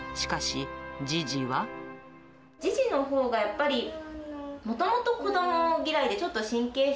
ジジのほうがやっぱり、もともと子ども嫌いで、ちょっと神経質。